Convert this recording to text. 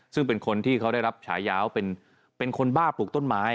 ซึ่งเป็นคนที่เขาได้รับฉายาวเป็นคนบ้าปลูกต้นไม้